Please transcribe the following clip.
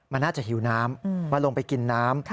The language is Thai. มันน่าจะหิวน้ำมาลงไปกินน้ำ